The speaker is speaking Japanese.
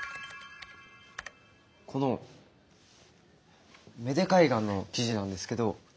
この芽出海岸の記事なんですけど。